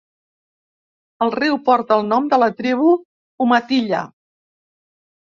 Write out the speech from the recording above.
El riu porta el nom de la tribu Umatilla.